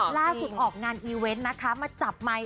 ออกงานอีเวนต์นะคะมาจับไมค์